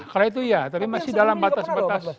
karena itu iya tapi masih dalam batas batas